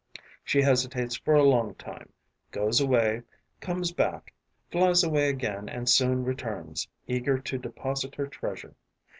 She hesitates for a long time, goes away, comes back, flies away again and soon returns, eager to deposit her treasure.